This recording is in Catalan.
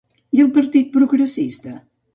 I el Partit Progressista?